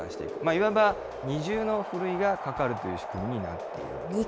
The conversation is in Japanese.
いわば二重のふるいがかかるという仕組みになっているわけです。